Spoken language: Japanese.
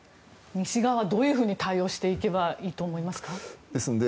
西側はどういうふうに対応していけばいいと思いますか。